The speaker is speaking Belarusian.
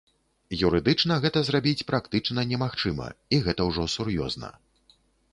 Юрыдычна гэта зрабіць практычна немагчыма, і гэта ўжо сур'ёзна.